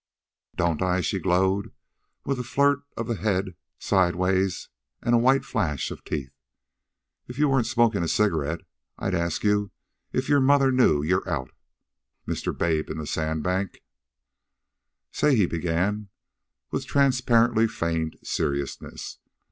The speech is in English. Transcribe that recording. "Don't I?" she glowed, with a flirt of the head sideward and a white flash of teeth. "If you weren't smoking a cigarette I'd ask you if your mother knew you're out, Mr. Babe in the Sandbank." "Say," he began, with transparently feigned seriousness.